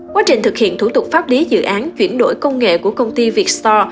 quá trình thực hiện thủ tục pháp lý dự án chuyển đổi công nghệ của công ty vietstar